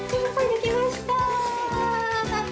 できました！